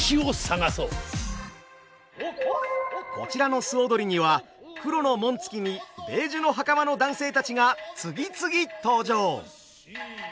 こちらの素踊りには黒の紋付きにベージュの袴の男性たちが次々登場。